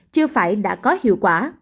chưa phải đã có hiệu quả